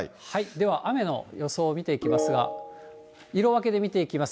では雨の予想を見ていきますが、色分けで見ていきます。